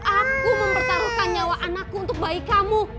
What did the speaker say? aku mempertaruhkan nyawa anakku untuk bayi kamu